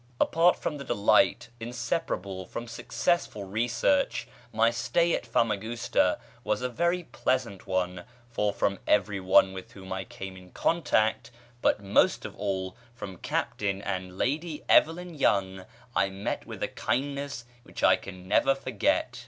Apart from the delight inseparable from successful research my stay at Famagusta was a very pleasant one, for from every one with whom I came in contact, but most of all from Captain and Lady Evelyn Young, I met with a kindness which I can never forget.